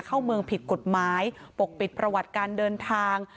เข้าเมืองผิดกฎหมายปกปิดประวัติการเดินทาง